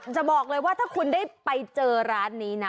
จะบอกเลยว่าถ้าคุณได้ไปเจอร้านนี้นะ